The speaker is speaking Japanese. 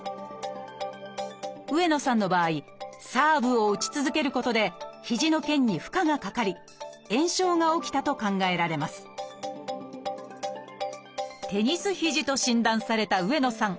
上野さんの場合サーブを打ち続けることで肘の腱に負荷がかかり炎症が起きたと考えられます「テニス肘」と診断された上野さん。